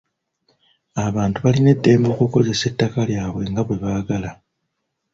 Abantu balina eddembe okukozesa ettaka lyabwe nga bwe baagala.